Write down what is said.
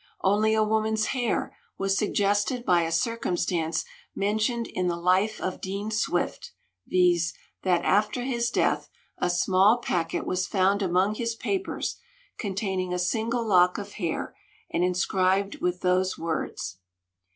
"Only a Woman's Hair" was suggested by a circumstance mentioned in The Life of Dean Swift, viz., that, after his death, a small packet was found among his papers, containing a single lock of hair and inscribed with those words.